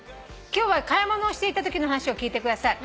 「今日は買い物をしていたときの話を聞いてください」